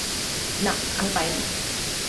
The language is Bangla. না, আমি পাইনি।